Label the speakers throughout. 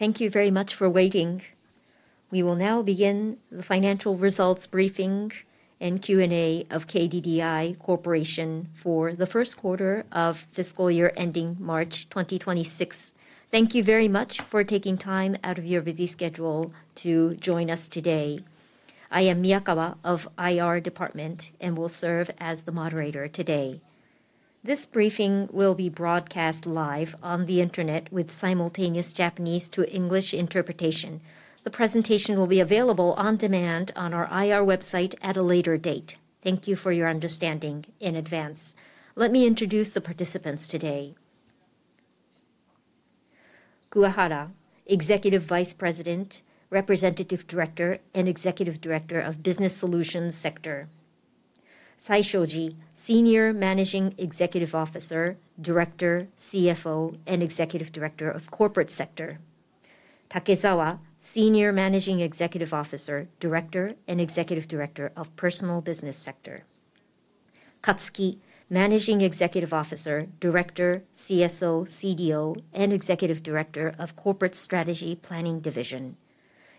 Speaker 1: Thank you very much for waiting. We will now begin the financial results briefing and Q&A of KDDI Corporation for the first quarter of fiscal year ending March 2026. Thank you very much for taking time out of your busy schedule to join us today. I am Miyakawa of IR Department and will serve as the moderator today. This briefing will be broadcast live on the Internet with simultaneous Japanese to English interpretation. The presentation will be available on demand on our IR website at a later date. Thank you for your understanding in advance. Let me introduce the participants today. Kuwahara, Executive Vice President, Representative Director and Executive Director of Business Solutions Sector; Saishoji, Senior Managing Executive Officer, Director, CFO and Executive Director of Corporate Sector; Takezawa, Senior Managing Executive Officer, Director and Executive Director of Personal Business Sector; Katsuki, Managing Executive Officer, Director, CSO, CDO and Executive Director of Corporate Strategy Planning Division;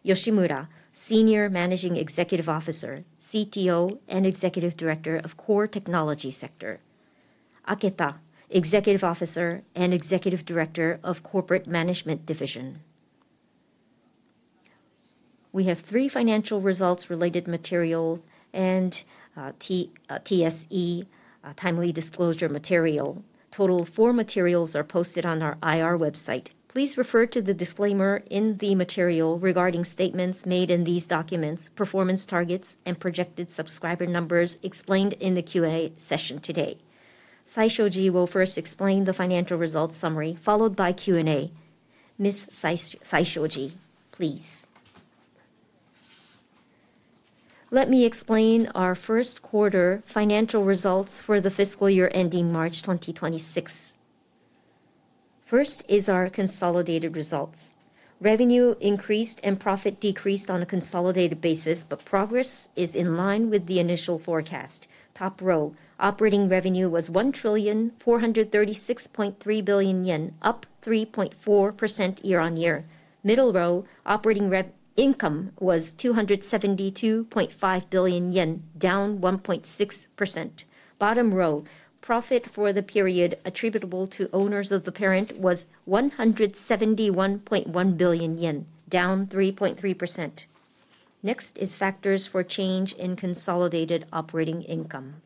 Speaker 1: Yoshimura, Senior Managing Executive Officer, CTO and Executive Director of Core Technology Sector; Aketa, Executive Officer and Executive Director of Corporate Management Division. We have three financial results related materials and TSE timely disclosure material. Total four materials are posted on our IR website. Please refer to the disclaimer in the material regarding statements made in these documents, performance targets and projected subscriber numbers explained in the Q&A session today. Saishoji will first explain the financial results summary followed by Q&A. Ms. Saishoji, please
Speaker 2: let me explain our first quarter financial results for the fiscal year ending March 2026. First is our consolidated results. Revenue increased and profit decreased on a consolidated basis, but progress is in line with the initial forecast. Top row operating revenue was 1,436.3 billion yen, up 3.4% year-on-year. Middle row operating income was 272.5 billion yen, down 1.6%. Bottom row profit for the period attributable to owners of the parent was 171.1 billion yen, down 3.3%. Next is factors for change in consolidated operating income.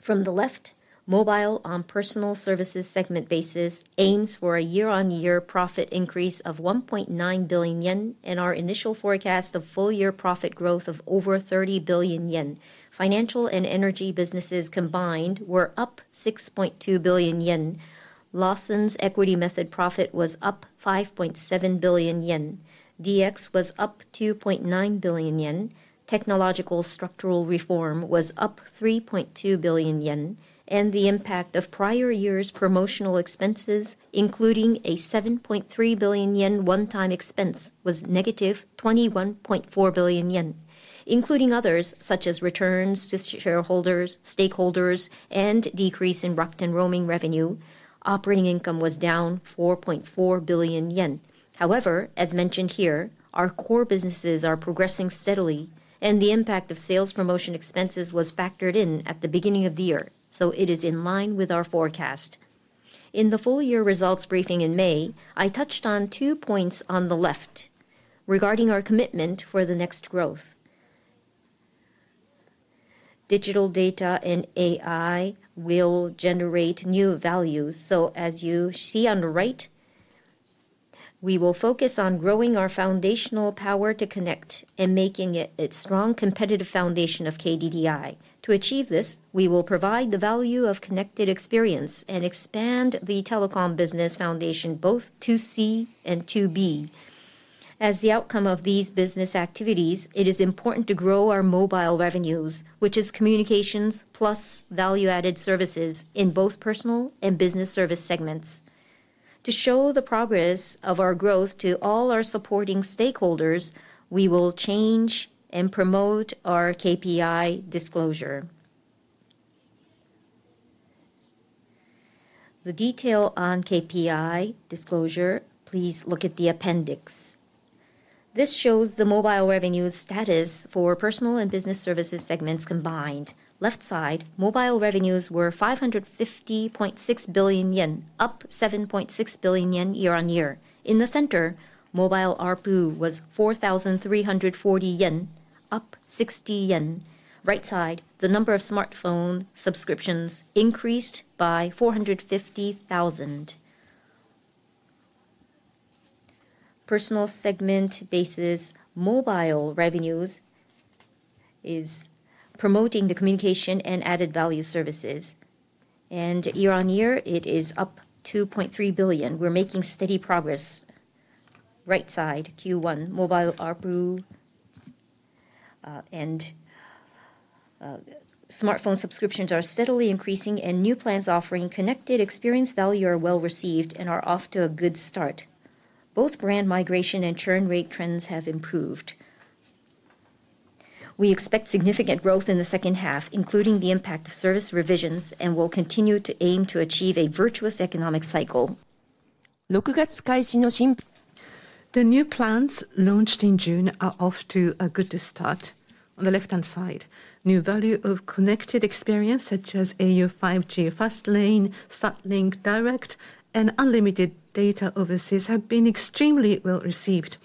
Speaker 2: From the left, mobile on personal services segment basis aims for a year-on-year profit increase of 1.9 billion yen and our initial forecast of full year profit growth of over 30 billion yen. Financial and energy businesses combined were up 6.2 billion yen. Lawson's equity-method profit was up 5.7 billion yen, DX was up 2.9 billion yen, technological structural reform was up 3.2 billion yen, and the impact of prior year's promotional expenses including a 7.3 billion yen one-time expense was negative 21.4 billion yen, including others such as returns to shareholders, stakeholders, and decrease in Rakuten roaming revenue. Operating income was down 4.4 billion yen. However, as mentioned here, our core businesses are progressing steadily, and the impact of sales promotion expenses was factored in at the beginning of the year, so it is in line with our forecast. In the full-year results briefing in May, I touched on two points on the left regarding our commitment for the next growth. Digital data and AI will generate new values. As you see on the right, we will focus on growing our foundational power to connect and making it a strong competitive foundation of KDDI. To achieve this, we will provide the value of connected experience and expand the Telecom Business foundation, both toC and toB. As the outcome of these business activities is, it is important to grow our mobile revenues, which is communications plus value-added services in both personal and business service segments. To show the progress of our growth to all our supporting stakeholders, we will change and promote our KPI disclosure. The detail on KPI disclosure, please look at the appendix. This shows the mobile revenues status for personal and business services segments combined. Left side, mobile revenues were 550.6 billion yen, up 7.6 billion yen year-on-year. In the center, mobile ARPU was 4,340 yen, up 60 yen. Right side, the number of smartphone subscriptions increased by 450,000. Personal segment basis, mobile revenues is promoting the communication and added value services. Year-on-year, it is up 2.3 billion. We're making steady progress. Right side Q1 mobile ARPU. And smartphone. Subscriptions are steadily increasing and new plans. Offering connected experience value is well received and is off to a good start. Both grand migration and churn rate trends have improved. We expect significant growth in the second. Half, including the impact of service revisions. We will continue to aim to achieve a virtuous economic cycle. The new plans launched in June are off to a good start. On the left-hand side, new value of connected experience such as au 5G, Fastlane, Starlink Direct, and unlimited data overseas have been extremely well received.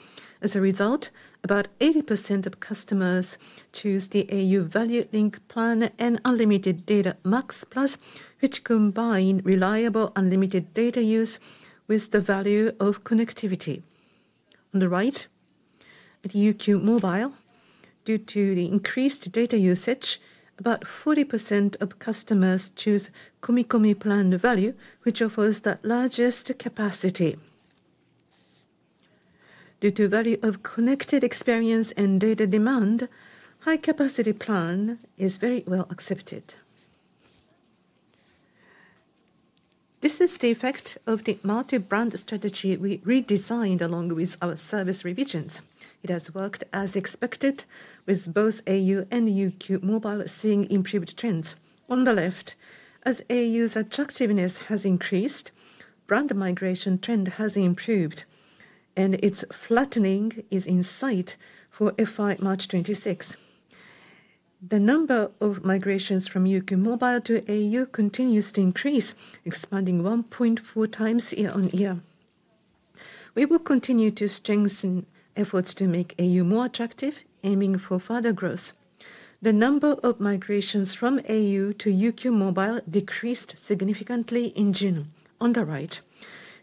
Speaker 2: As a result, about 80% of customers choose the au Value Link Plan and Unlimited Data Max, which combine reliable unlimited data use with the value of connectivity. On the right, at UQ Mobile, due to the increased data usage, about 40% of customers choose Komikomi Plan Value, which offers the largest capacity. Due to value of connected experience and data demand, high-capacity plan is very well accepted. This is the effect of the multi-brand strategy we redesigned along with our service revisions. It has worked as expected, with both au and UQ Mobile seeing improved trends. On the left, as au's attractiveness has increased, brand migration trend has improved, and its flattening is in sight. For FY March 2026, the number of migrations from UQ Mobile to au continues to increase, expanding 1.4 times year-on-year. We will continue to strengthen efforts to make au more attractive, aiming for further growth. The number of migrations from au to UQ Mobile decreased significantly in June. On the right,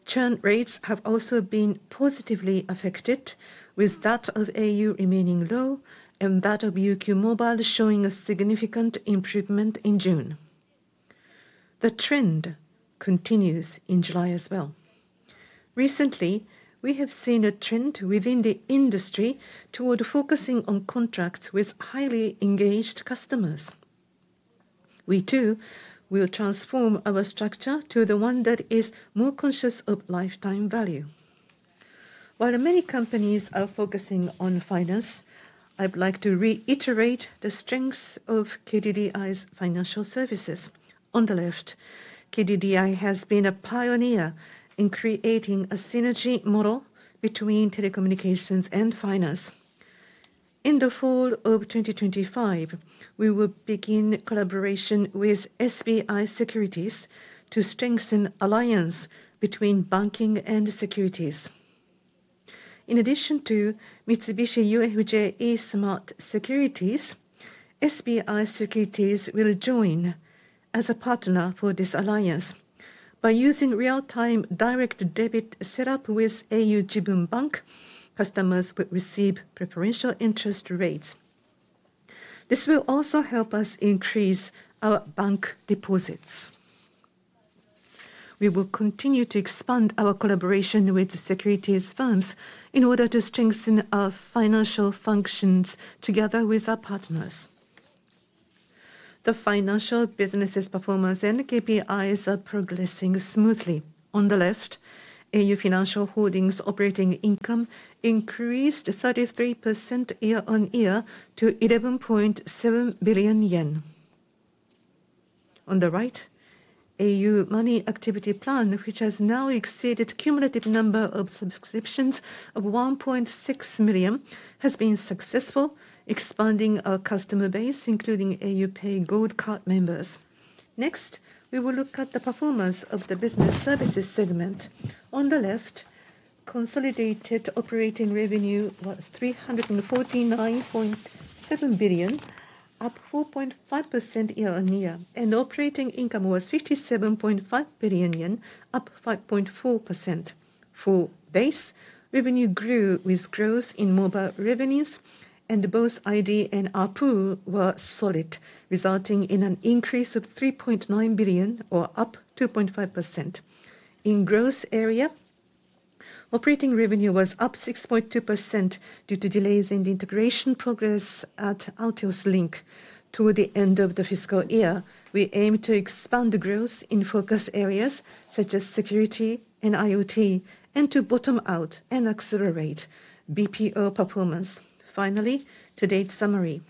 Speaker 2: churn rates have also been positively affected, with that of au remaining low and that of UQ Mobile showing a significant improvement in June. The trend continues in July as well. Recently, we have seen a trend within the industry toward focusing on contracts with highly engaged customers. We too will transform our structure to one that is more conscious of lifetime value. While many companies are focusing on finance, I'd like to reiterate the strengths of KDDI's financial services. On the left, KDDI has been a pioneer in creating a synergy model between telecommunications and finance. In the fall of 2025, we will begin collaboration with SBI Securities to strengthen alliance between banking and securities. In addition to Mitsubishi UFJ e-Smart Securities, SBI Securities will join as a partner for this alliance. By using real-time direct debit setup with au Jibun Bank, customers will receive preferential interest rates. This will also help us increase our bank deposits. We will continue to expand our collaboration with securities firms in order to strengthen our financial functions. Together with our partners, the financial business's performance and KPIs are progressing smoothly. On the left, au Financial Holdings operating income increased 33% year-on-year to 11.7 billion yen. On the right, au Money Activity Plan, which has now exceeded cumulative number of subscriptions of 1.6 million, has been successful expanding our customer base including au PAY Gold Card members. Next we will look at the performance of the business services segment. On the left, consolidated operating revenue 349.7 billion, up 4.5% year-on-year, and operating income was 57.5 billion, up 5.4%. For base revenue grew with growth in mobile revenues and both ID and ARPU were solid, resulting in an increase of 3.9 billion or up 2.5% in gross area. Operating revenue was up 6.2% due to delays in the integration progress at Altios link to the end of the fiscal year. We aim to expand growth in focus areas such as security and IoT and to bottom out and accelerate BPO performance. Finally, today's summary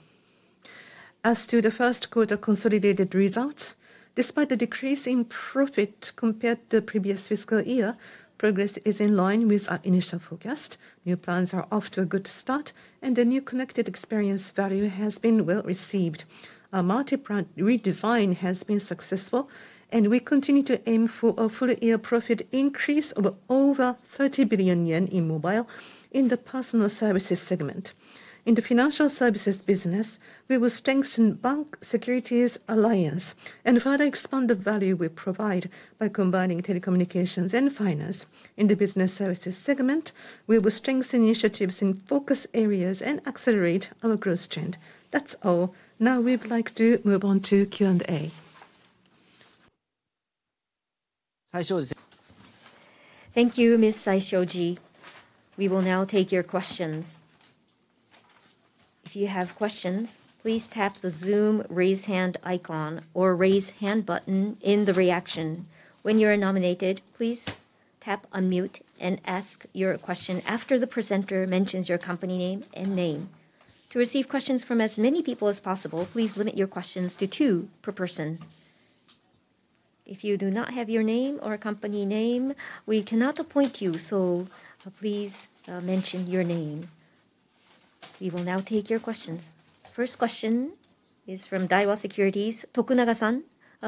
Speaker 2: as to the first quarter consolidated results: despite the decrease in profit compared to the previous fiscal year, progress is in line with our initial forecast. New plans are off to a good start and the new connected experience value has been well received. A multi plan redesign has been successful and we continue to aim for a full year profit increase of over 30 Billion yen in mobile in the personal. In the financial services business, we will strengthen bank securities alliance and further expand the value we provide by combining telecommunications and finance. In the business services segment, we will strengthen initiatives in focus areas and accelerate our growth trend. That's all. Now we'd like to move on to Q&A.
Speaker 1: Thank you, Ms. Saishoji. We will now take your questions. If you have questions, please tap the Zoom raise hand icon or Raise Hand button in the reaction. When you are nominated, please tap unmute and ask your question. After the presenter mentions your company name and name, to receive questions from as many people as possible, please limit your questions to two per person. If you do not have your name or company name, we cannot appoint you, so please mention your names. We will now take your questions. First question is from Daiwa Securities Kazuki Tokunaga. San,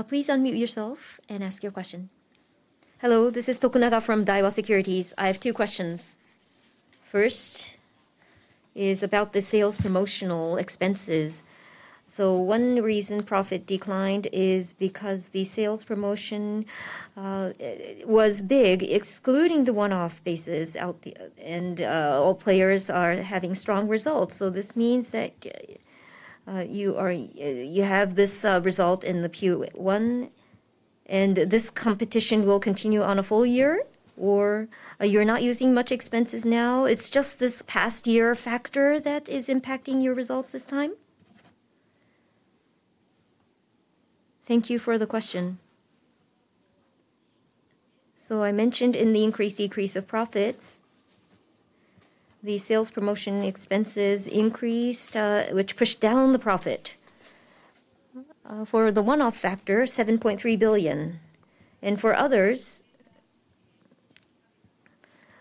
Speaker 1: please unmute yourself and ask your question.
Speaker 3: Hello, this is Kazuki Tokunaga from Daiwa Securities. I have two questions. First is about the sales promotion expenses. One reason profit declined is because the sales promotion was big excluding the one-off basis, and all players are having strong results. This means that you have this result in the ARPU, and this competition will continue on a full year. You're not using much expenses now; it's just this past year factor that is. Impacting your results this time.
Speaker 1: Thank you for the question. I mentioned in the increase decrease. Of profits. The sales promotion expenses increased, which pushed down the profit for the one-off factor 7.3 billion and for.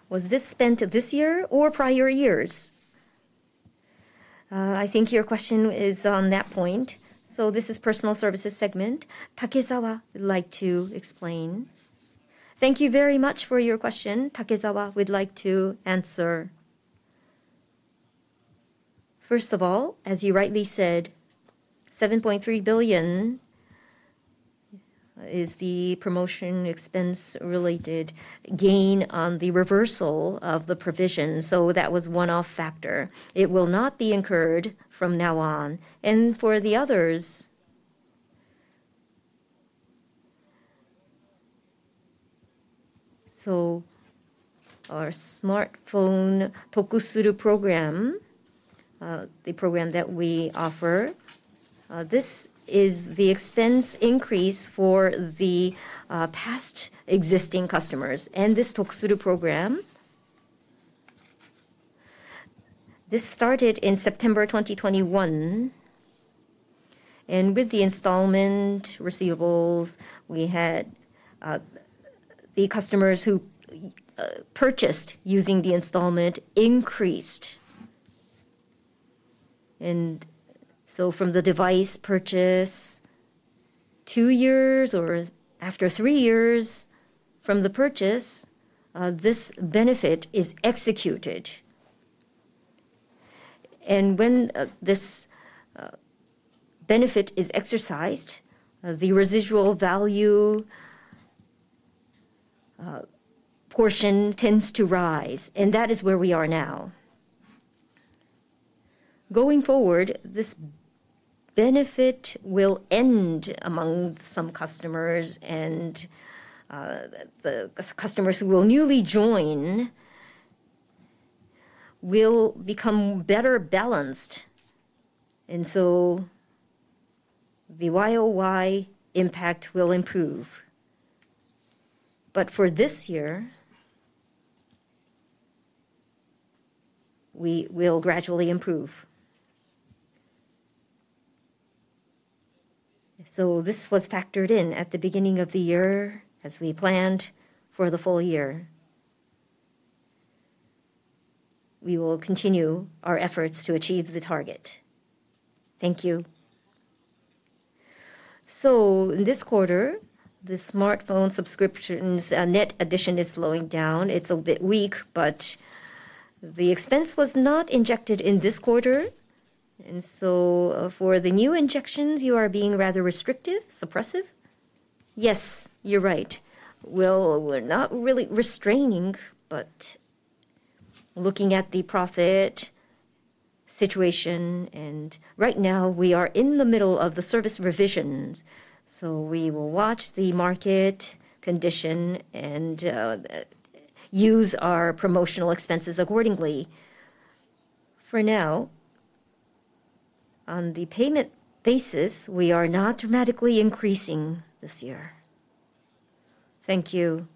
Speaker 1: Was this spent this year or prior years?
Speaker 4: I think your question is on that point. This is personal services segment. Takezawa would like to explain. Thank you very much for your question. Takezawa would like to answer.
Speaker 5: First of all, as you rightly said, 7.3 billion is the promotion expense related gain on the reversal of the provision, so that was one-off factor. It will not be incurred from now. On and for the others. Our smartphone Tokusuru Program, the program that we offer, this is the expense increase for the past existing customers and this Tokusuru. Program. This started in September 2021, and with the installment receivables, we had the customers who purchased using the installment increased, and so from the device purchase two years or after three years from the purchase, this benefit is executed. When this benefit is exercised, the residual value portion tends to rise. That is where we are now. Going forward. This benefit will end among some customers, and the customers who will newly join. Will become better balanced. The year-on-year impact will improve. For this year, we will gradually improve. This was factored in at the beginning of the year as we planned. For the full year, we will continue our efforts to achieve the target.
Speaker 3: Thank you. In this quarter, the smartphone subscriptions net addition is slowing down. It's a bit weak, but the expense was not injected in this quarter. For the new injections, you are being rather restrictive, suppressive?
Speaker 5: Yes, you're right. We're not really restraining but looking at the profit situation. Right now, we are in the middle of the service revisions. We will watch the market condition and use our promotional expenses accordingly. For now, on the payment basis, we are not dramatically increasing this year. Thank you.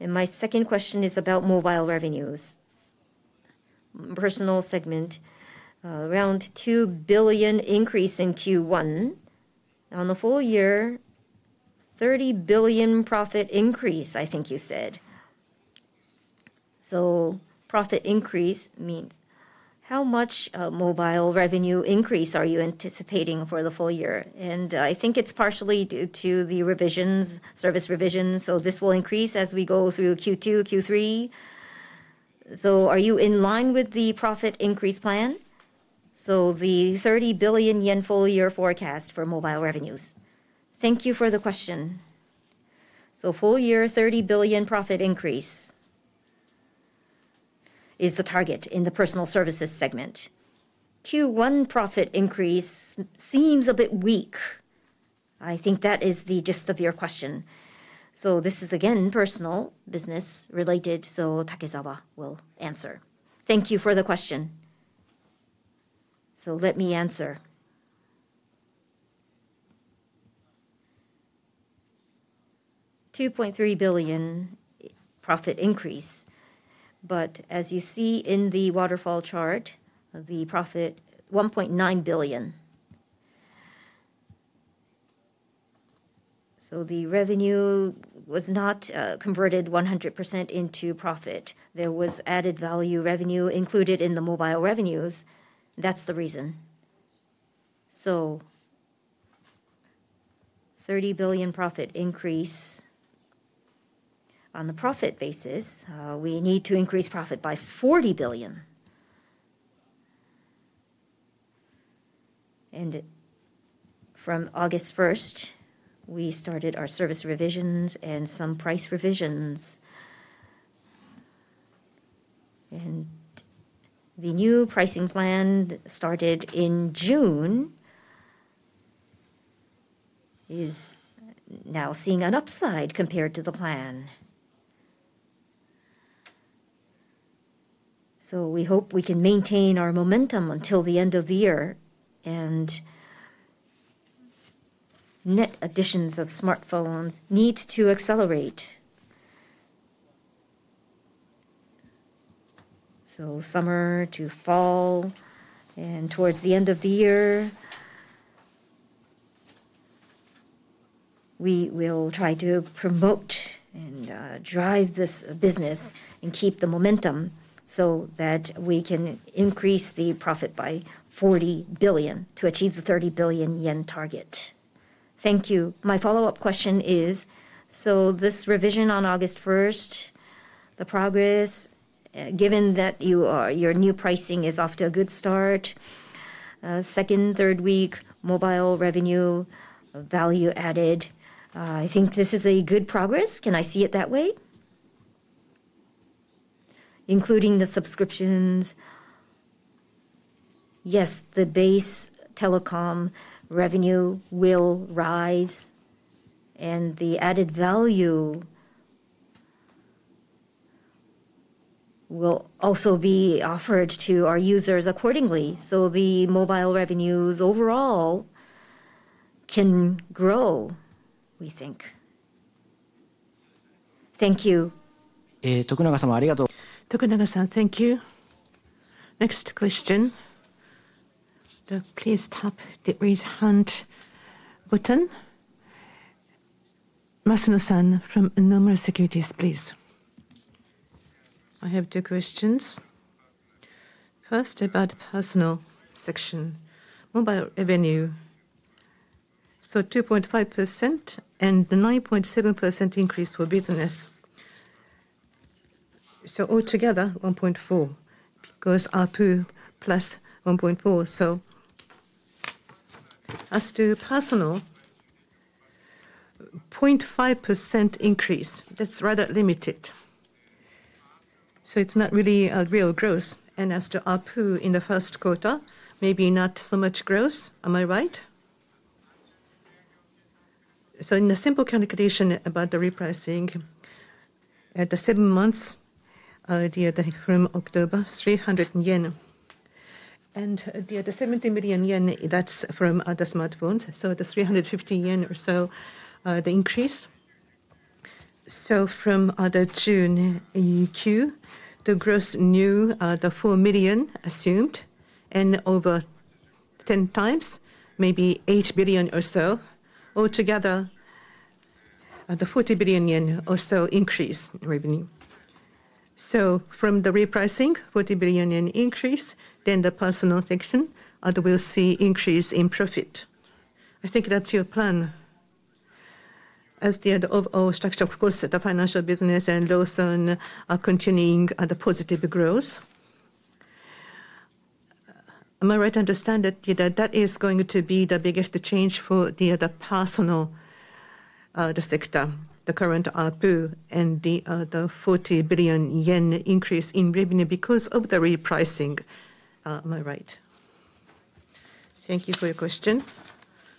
Speaker 3: My second question is about mobile revenues, personal segment, around 2 billion increase in Q1 on the full year 30 billion profit increase I think you said. Profit increase means how much mobile revenue increase are you anticipating for the full year? I think it's partially due to the service revisions. This will increase as we go through Q2, Q3. Are you in line with the profit increase plan? The 30 billion yen full year forecast for mobile revenues.
Speaker 5: Thank you for the question. Full year 30 billion profit increase. Is the target in the personal services segment. Q1 profit increase seems a bit weak. I think that is the gist of your question. This is again personal business related. Takezawa will answer. Thank you for the question. Let me answer. JPY 2.3 billion profit increase. As you see in the waterfall chart, the profit JPY 1.9 billion. The revenue was not converted 100% into profit. There was added value revenue included in the mobile revenues. That's the reason. 30 billion profit increase. On the. profit basis, we need to increase profit by 40 billion. From August 1, we started our service revisions and some price revisions. The new pricing plan started in June is now seeing an upside compared to the plan. We hope we can maintain our momentum until the end of the year. Net additions of smartphones need to accelerate. From summer to fall and towards the end of the year, we will try to promote and drive this business and keep the momentum so that we can increase the profit by 40 billion to achieve the 30 billion yen target.
Speaker 3: Thank you. My follow-up question is, this revision on August 1, the progress given that your new pricing is off to a good start. Second, third week mobile revenue value added, I think this is a good progress. Can I see it that way, including the subscriptions?
Speaker 5: Yes. The base telecom revenue will rise and the added value will also be offered to our users accordingly. The mobile revenues overall can grow, we think. Thank you.
Speaker 2: Thank you.
Speaker 1: Next question. Please tap the raise hand button. Masuno-san from Nomura Securities, please.
Speaker 6: I have two questions. First, about Personal section mobile revenue, so 2.5% and 9.7% increase for Business. Altogether, 1.4 goes ARPU plus 1.4, so as to Personal 0.5% increase, that's rather limited, so it's not really a real growth. As to ARPU in the first quarter, maybe not so much growth, am I right?
Speaker 5: In the simple calculation about the repricing at the even months from October, 300 yen and the other 70 million yen, that's from other smartphones, so the 350 yen or so the increase. From the June in Q, the gross.
Speaker 6: New, the 4 million assumed and over 10 times, maybe 8 billion or so altogether, the 40 billion yen also increase revenue. From the repricing, 40 billion yen increase, then the personal section, and we'll see increase in profit. I think that's your plan as the overall structure. Of course, the financial business and Lawson are continuing the positive growth. Am I right to understand that that is going to be the biggest change for the other personal sector? The current ARPU and the 40 billion yen increase in revenue because of the repricing. Am I right?
Speaker 7: Thank you for your question.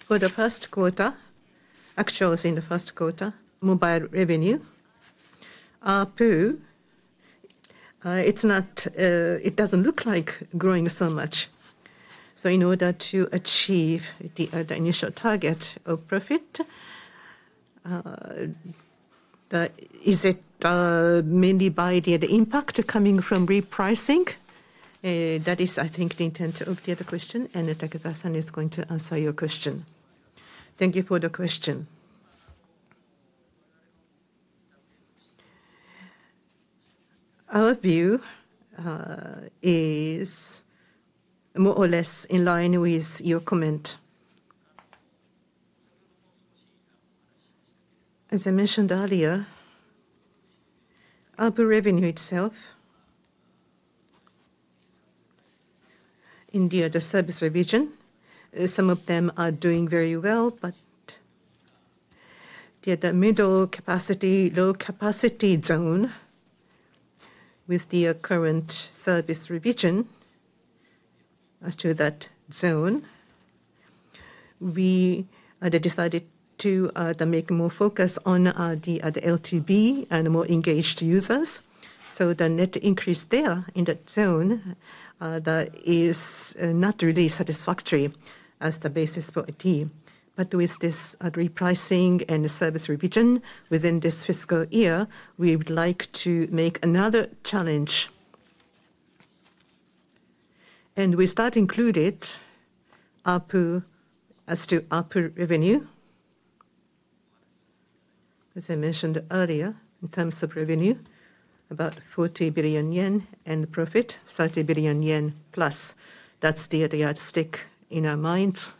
Speaker 7: For the first quarter actuals, in the first quarter mobile revenue ARPU, it doesn't look like growing so much. In order to achieve the initial target of profit, is it mainly by the impact coming from repricing? That is, I think, the intent of the other question, and Takezawa-san is going to answer your question. Thank you for the question. Our view is more or less in line with your comment. As I mentioned earlier, ARPU revenue itself in the other service region, some of them are doing very well. The other middle capacity, low capacity zone, with the current service revision to that zone, we decided to make more focus on the LTV and more engaged users. The net increase there in that zone is not really satisfactory as the basis for a team. With this repricing and service revision within this fiscal year, we would like to make another challenge, and with that included ARPU. As to ARPU revenue, as I mentioned earlier, in terms of revenue, about 40 billion yen and profit 30 billion yen plus. That's the idea to stick in our minds.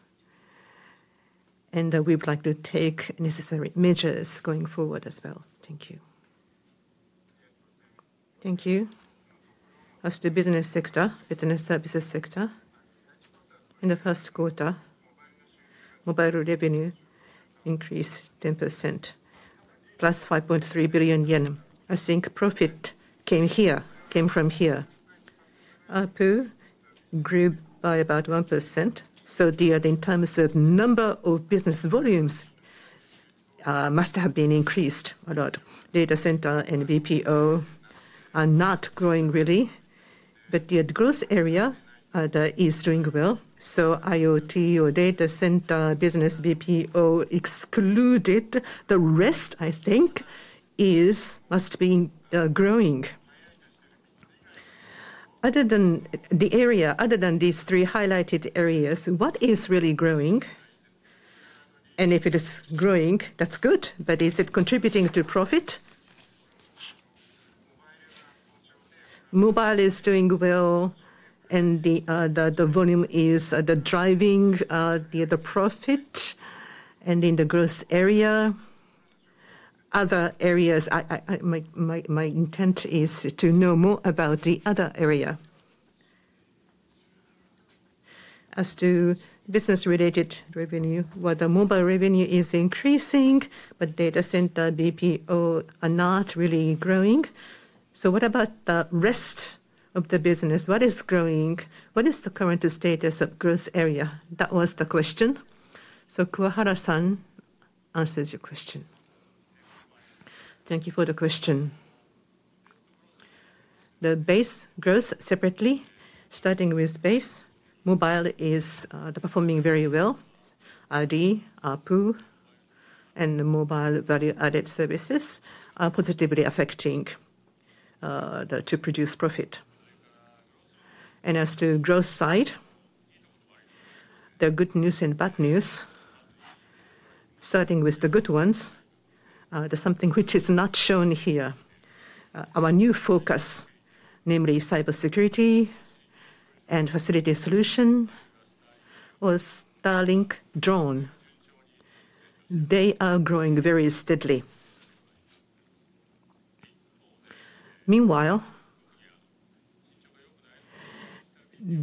Speaker 7: We would like to take necessary measures going forward as well. Thank you.
Speaker 6: Thank you. As the Business Services sector, in the first quarter, mobile revenue increased 10%, plus 5.3 billion yen. I think profit came here, came from here. ARPU grew by about 1%. In terms of number of business volumes, must have been increased a lot. Data center and BPO are not growing really. The growth area is doing well. IoT or data center business, BPO excluded, the rest I think must be growing. Other than the area, other than these three highlighted areas, what is really growing and if it is growing, that's good. Is it contributing to profit? Mobile is doing well and the volume is driving the profit. In the gross area, other areas. My intent is to know more about the other area.
Speaker 5: As to business related revenue, while the mobile revenue is increasing, data center and BPO are not really growing. What about the rest of the business? What is growing? What is the current status of gross area? That was the question. Kuwahara-san answers your question.
Speaker 7: Thank you for the question. The base growth separately, starting with base, mobile is performing very well. ARPU and the mobile value-added services are positively affecting to produce profit. As to grow side, there are good news and bad news. Starting with the good ones, there's something which is not shown here. Our new focus, namely cybersecurity and facility solution with Starlink drone, they are growing very steadily. Meanwhile,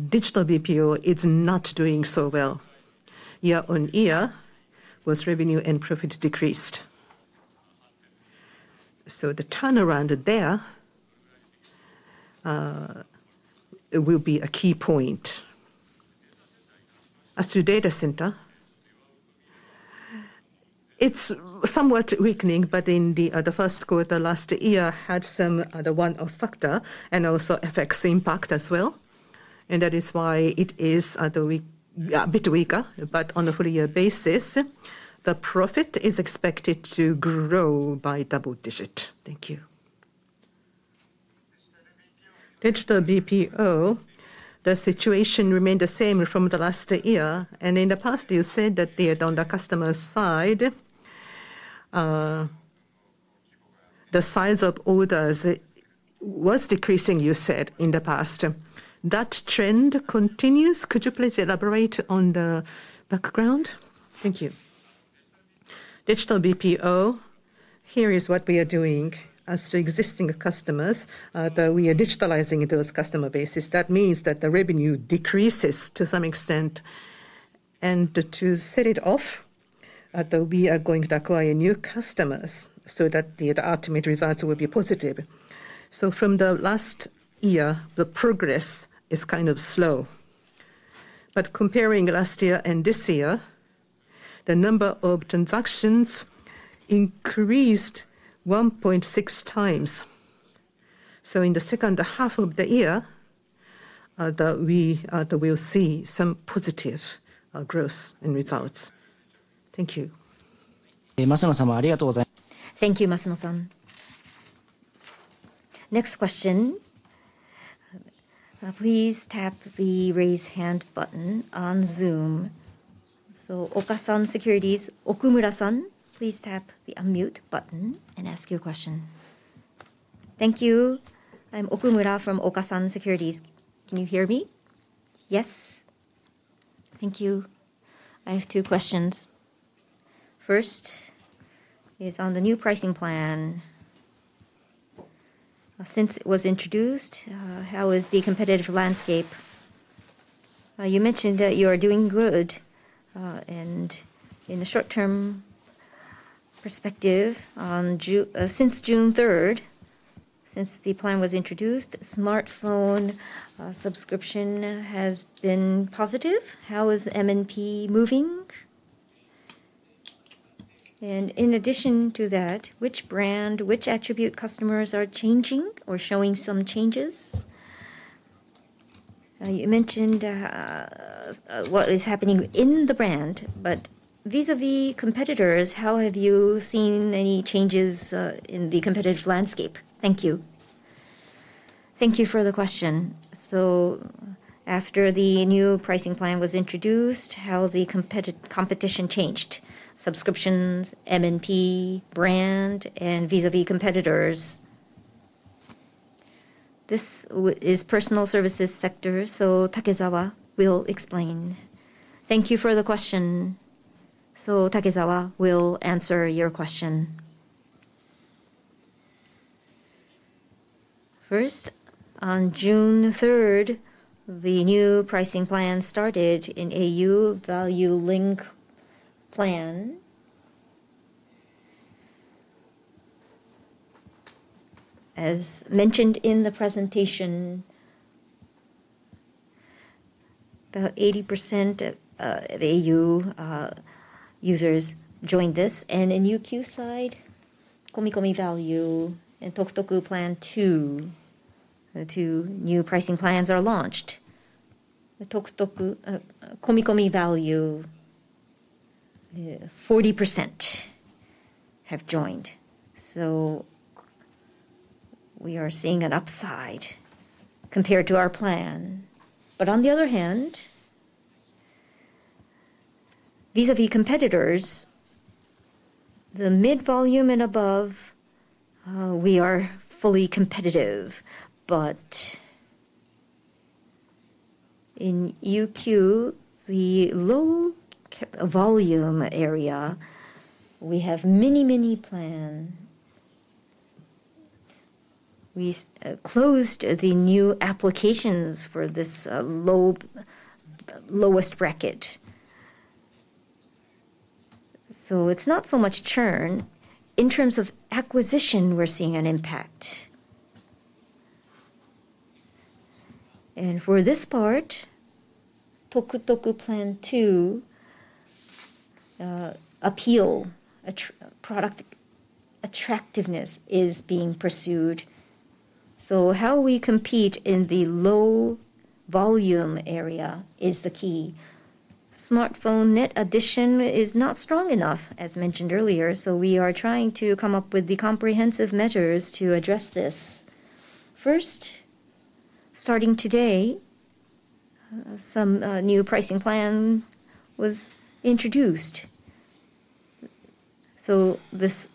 Speaker 7: Digital BPO is not doing so well. year-on-year, both revenue and profit decreased. The turnaround there will be a key point. As to data center, it's somewhat weakening. In the first quarter last year, had some other one-off factor and also FX impact as well. That is why it is a bit weaker. On a full year basis, the profit is expected to grow by double digit. Thank you.
Speaker 6: Digital BPO, the situation remained the same from last year. In the past, you said that they had, on the customer's side, the size of orders was decreasing. You said in the past that trend continues. Could you please elaborate on the background?
Speaker 7: Thank you, Digital BPO. Here is what we are doing. As to existing customers, we are digitalizing those customer bases. That means that the revenue decreases to some extent. To set it off, we are going to acquire new customers so that the ultimate results will be positive. From last year, the progress is kind of slow. Comparing last year and this year, the number of transactions increased 1.6 times. In the second half of the year, we will see some positive growth in results.
Speaker 6: Thank you.
Speaker 1: Thank you. Masuno san, next question. Please tap the raise hand button on Zoom. Okasan Securities, Okumura san, please tap the unmute button and ask your question.
Speaker 8: Thank you. I'm Yusuke Okumura from Okasan Securities. Can you hear me?
Speaker 1: Yes.
Speaker 8: Thank you. I have two questions. First is on the new pricing plan. Since it was introduced, how is the competitive landscape? You mentioned that you are doing good. In the short term perspective, since June 3, since the plan was introduced, smartphone subscription has been positive. How is MNP moving? In addition to that, which brand, which attribute customers are changing or showing some changes? You mentioned what is happening in the brand. Vis a vis competitors, have you seen any changes in the competitive landscape? Thank you.
Speaker 2: Thank you for the question. After the new pricing plan was introduced, how the competition changed subscriptions, MNP brand and vis-a-vis competitors. This is Personal Services Sector so Takezawa will explain. Thank you for the question. Takezawa will answer your question.
Speaker 5: First. On June 3, the new pricing plan started in au Value Link Plan. Mentioned in the presentation. About 80% of au users joined this. In UQ side, Komikomi Plan Value and. Tokutoku Plan 2, the two new pricing plans are launched. The Tokutoku Komikomi Plan Value 40% have joined. We are seeing an upside compared to our plan. On the other hand, vis-à-vis. Vis competitors, the mid volume and above we are fully competitive. In UQ the low volume area, we have many, many plans. We closed the new applications for this lowest bracket, so it's not so much churn. In terms of acquisition, we're seeing an impact. For this part, Tokutoku Plan 2 appeal product attractiveness is being pursued. How we compete in the low volume area is the key. Smartphone Knit Edition is not strong enough as mentioned earlier. We are trying to come up with comprehensive measures to address this. First, starting today, some new pricing plan was introduced. This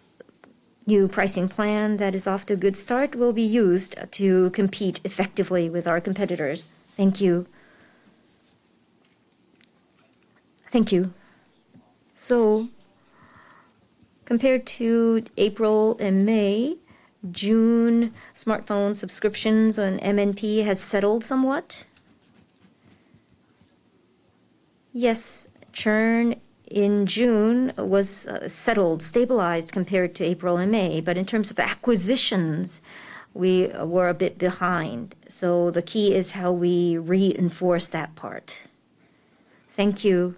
Speaker 5: new pricing plan that is off to a good start will be used to compete effectively with our competitors.
Speaker 8: Thank you. Thank you. Compared to April and May, June smartphone subscriptions on MNP has settled somewhat.
Speaker 2: Yes, churn in June was stabilized compared to April and May.
Speaker 4: In terms of acquisitions, we were a bit behind. The key is how we reinforce that part.
Speaker 8: Thank you.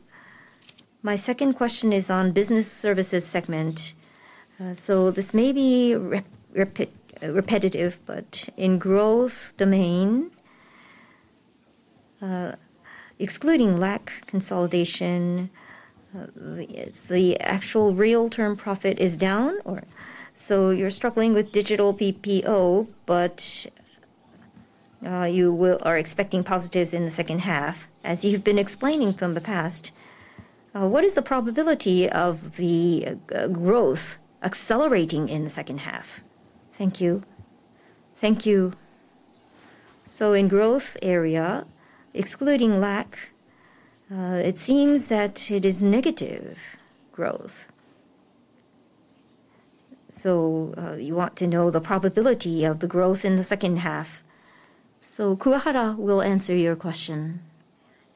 Speaker 8: My second question is on business services segment, so this may be repetitive. Repetitive. In the growth domain excluding lack consolidation, the actual real term profit is down or so you're struggling with digital BPO, but you are expecting positives in the second half as you've been explaining from the past. What is the probability of the growth accelerating in the second half? Thank you.
Speaker 4: Thank you. In the growth area excluding lack, it seems that it is negative growth, so you want to know the probability of the growth in the second half. Kuwahara will answer your question.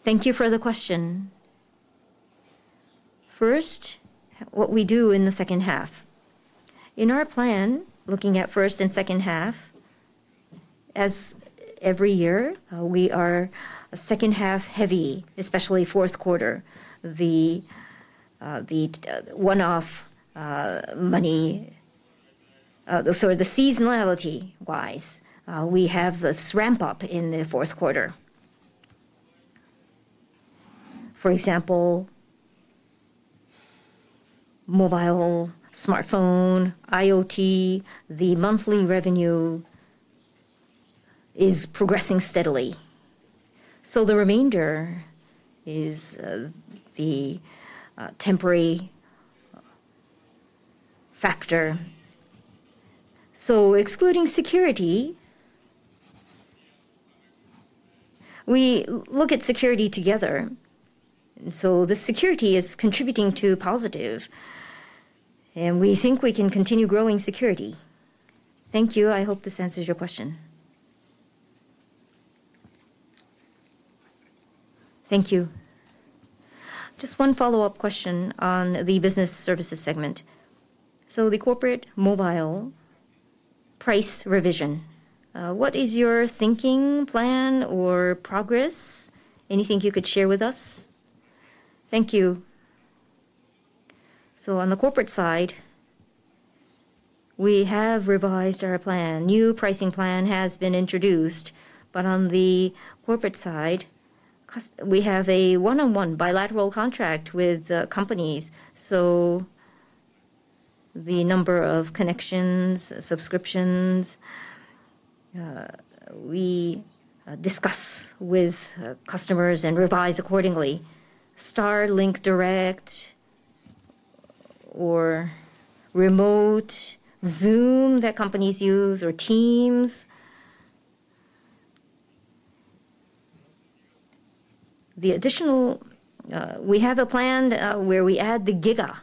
Speaker 4: Thank you for the question. First, what we do in the second half in our plan, looking at first and second half as every year, we are second half heavy, especially fourth quarter. The one-off money, sorry, the seasonality wise, we have this ramp up in the fourth quarter. For example, mobile, smartphone, IoT, the monthly revenue is progressing steadily, so the remainder is the temporary factor. Excluding security, we look at security together, so this security is contributing to positive, and we think we can continue growing security. Thank you. I hope this answers your question. Thank you. Just one follow up question on the business services segment. The corporate mobile price revision, what is your thinking, plan, or progress? Anything you could share with us? Thank you. On the corporate side, we have revised our plan. New pricing plan has been introduced, but on the corporate side, we have a one-on-one bilateral contract with companies, so the number of connections, subscriptions, we discuss with customers and revise accordingly. Starlink Direct or remote Zoom that companies use or Teams, the additional, we have a plan where we add the giga,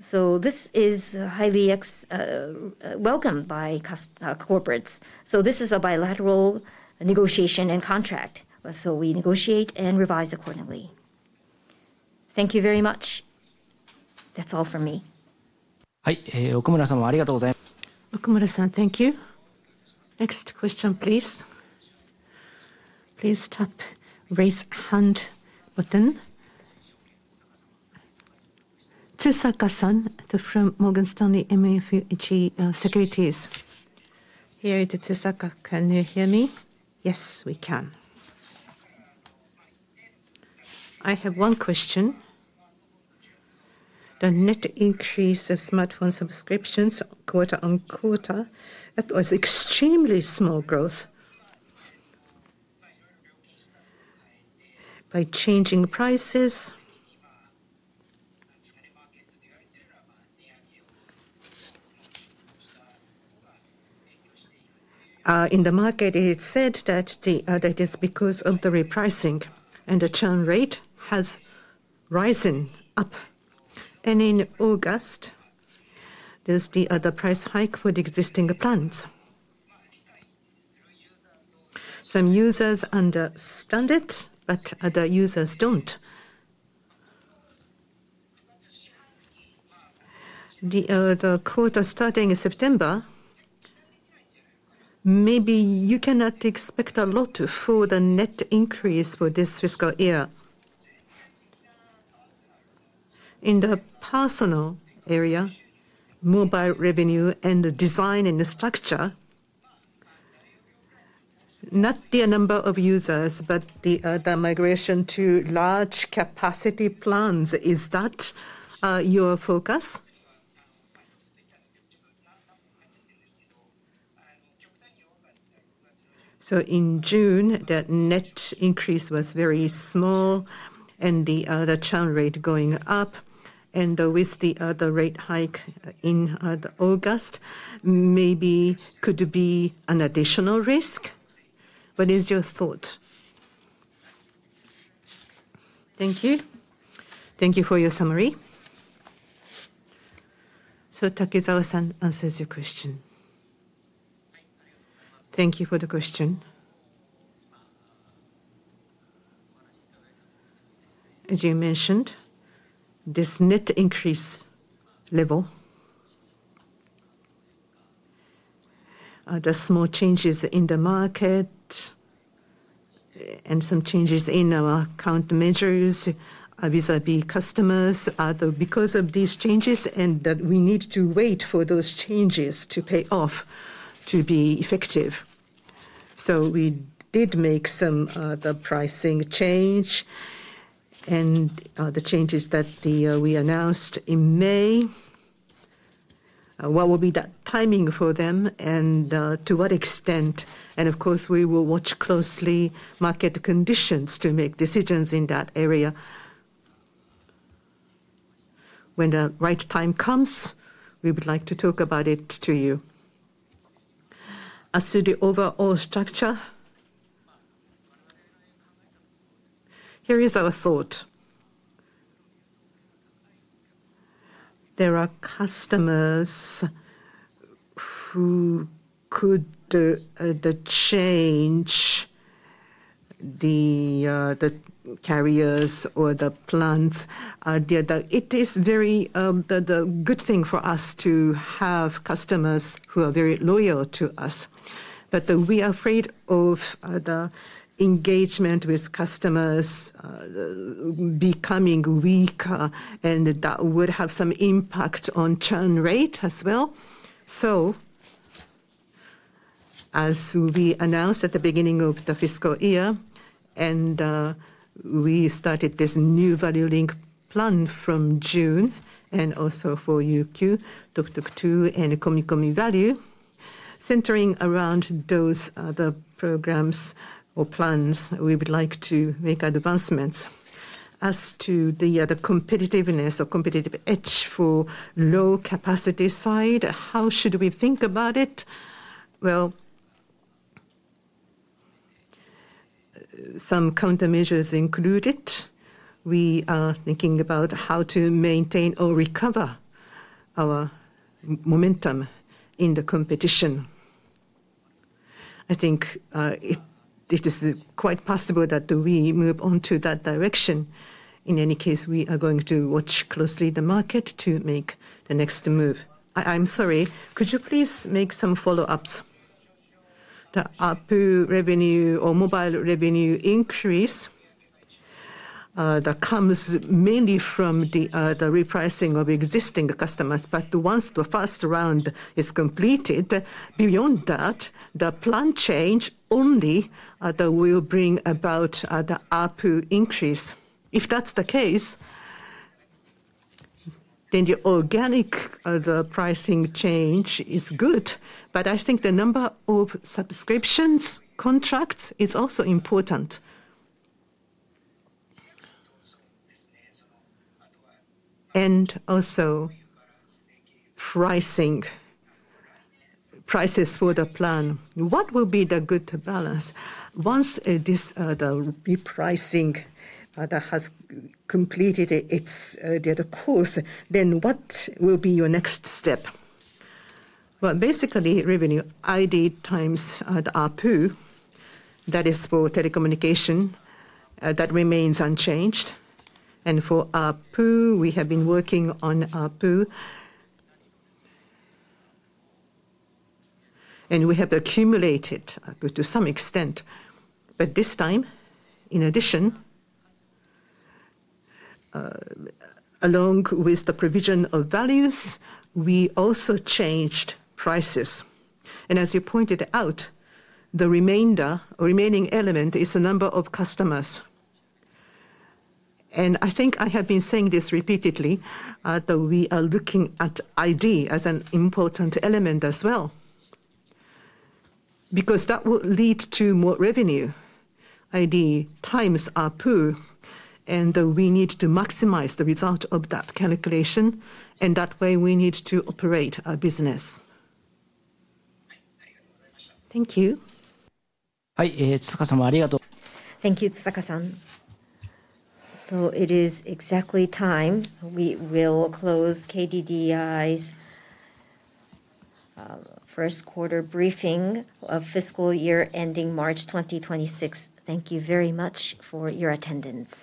Speaker 4: so this is highly welcomed by corporates. This is a bilateral negotiation and contract, so we negotiate and revise accordingly. Thank you very much. That's all from me.
Speaker 1: Thank you. Next question, please.
Speaker 2: Please tap the raise hand button from Morgan Stanley here.
Speaker 9: Can you hear me?
Speaker 2: Yes, we can.
Speaker 9: I have one question. The net increase of smartphone subscriptions quarter on quarter was extremely small growth by changing prices. In the market. That is because of the repricing and the churn rate has risen, and in August there's the other price hike for the existing plans. Some users understand it, but other users don't. The quarter starting in September, maybe you cannot expect a lot for the net increase for this fiscal year in the personal area mobile revenue, and the design and structure, not the number of users but the migration to large capacity plans. Is that your focus? In June, that net increase was very small and the churn rate going up, and with the other rate hike in August, maybe could be an additional risk. What is your thought? Thank you.
Speaker 1: Thank you for your summary. Takezawa-san answers your question, thank you.
Speaker 5: you for the question. As you mentioned, this net increase level, the small changes in the market. And. Some changes in our count measures vis a vis customers because of these changes and that we need to wait for those changes to pay off to be effective. We did make some pricing change and the changes that we announced in May, what will be the timing for them and to what extent? Of course, we will watch closely market conditions to make decisions in that area. When the right time comes, we would like to talk about it to you. As to the overall structure, here is our thought. There are customers who could change the carriers or the plans. It is a very good thing for us to have customers who are very loyal to us. We are afraid of the engagement with customers becoming weak and that would have some impact on churn rate as well.
Speaker 7: As we announced at the beginning of the fiscal year and we started this new au Value Link Plan from June and also for UQ, Tokusuru and Komikomi Plan Value centering around those other programs or plans, we would like to make advancements as to the competitiveness or competitive edge for low capacity side. How should we think about it? Some countermeasures include it. We are thinking about how to maintain or recover our momentum in the competition. I think it is quite possible that we move on to that direction. In any case, we are going to watch closely the market to make the next move.
Speaker 9: I'm sorry, could you please make some follow ups? The ARPU revenue or mobile revenue increase that comes mainly from the repricing of existing customers. Once the first is completed, beyond that, the plan change only will bring about the ARPU increase. If that's the case, then the organic pricing change is good. I think the number of subscription contracts is also important and also pricing prices for the plan. What will be the good balance once this repricing that has completed its data cost then what will be your next step?
Speaker 5: Basically, revenue ID Times, the ARPU that is for telecommunication that remains unchanged and for ARPU we have been working on ARPU and we have accumulated to some extent.
Speaker 7: This time, in addition, along with the provision of values, we also changed prices and as you pointed out, the remaining element is the number of customers and I think I have been saying this repeatedly though we are looking at ID as an important element as well because that will lead to more revenue ID times ARPU and we need to maximize the result of that calculation and that way we need to operate our business. Thank you.
Speaker 1: Thank you. It is exactly time. We will close KDDI's first quarter briefing of fiscal. Year ending March 2026. Thank you very much for your attendance.